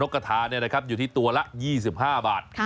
กระทาอยู่ที่ตัวละ๒๕บาท